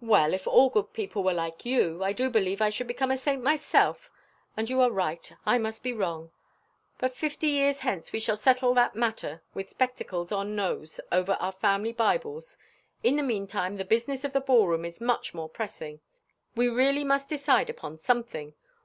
"Well, if all good people were like you, I do believe I should become a saint myself. If you are right, I must be wrong; but fifty years hence we shall settle that matter with spectacles on nose over our family Bibles. In the meantime the business of the ball room is much more pressing. We really must decide upon something.